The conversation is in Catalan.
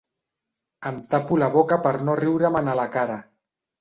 Em tapo la boca per no riure-me'n a la cara.